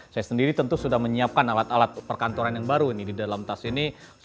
saya sendiri tentu sudah menyiapkan alat alat perkantoran yang baru ini di dalam tas ini